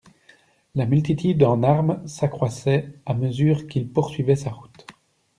La multitude en armes s'accroissait à mesure qu'il poursuivait sa route.